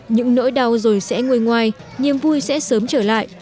những nỗi đau rồi sẽ ngồi ngoài niềm vui sẽ sớm trở lại